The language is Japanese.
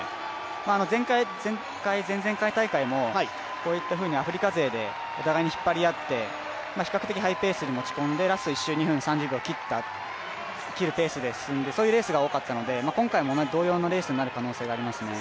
前回、前々回大会もこういったふうにアフリカ勢でお互いに引っ張り合って比較的ハイペースに持ち込んでラスト２分３０秒切るペースで進んでそういうレースが多かったので、今回も同様のレースになる可能性もありますね。